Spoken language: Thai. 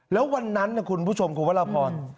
แล้ววันนั้นนะคุณผู้ชมคุณวรพร